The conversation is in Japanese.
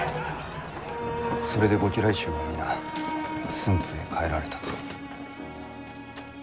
それでご家来衆は皆駿府へ帰られたと。